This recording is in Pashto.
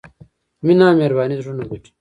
مینه او مهرباني زړونه ګټي.